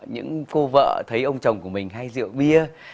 những pho vợ thấy ông chồng của mình hay rượu bia